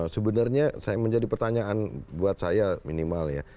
sebenarnya menjadi pertanyaan buat saya minimal ya